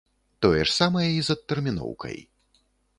Тое ж самае і з адтэрміноўкай.